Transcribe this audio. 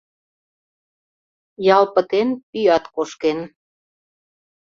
Ял пытен, пӱят кошкен.